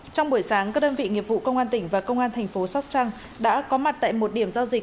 trong buổi sáng các đơn vị nghiệp vụ công an tỉnh và công an thành phố sóc trăng đã có mặt tại một điểm giao dịch